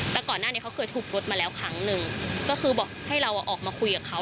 แต่ก่อนหน้านี้เขาเคยถูกรถมาแล้วครั้งหนึ่งก็คือบอกให้เราออกมาคุยกับเขา